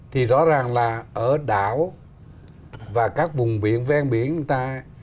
thì rõ ràng là ở đảo và các vùng biển ven biển chúng ta